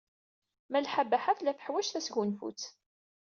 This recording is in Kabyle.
Malḥa Baḥa tella teḥwaj tasgunfut.